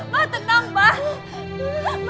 ma tenang ma tenang ma